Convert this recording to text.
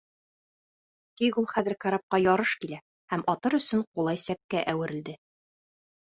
Тик ул хәҙер карапҡа ярыш килә һәм атыр өсөн ҡулай сәпкә әүерелде.